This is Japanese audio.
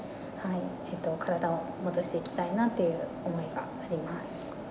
体を戻していきたいなっていう思いがあります。